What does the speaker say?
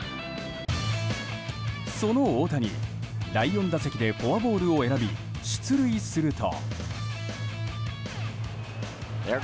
その大谷、第４打席でフォアボールを選び出塁すると。